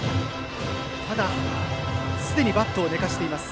ただ、すでにバットを寝かせています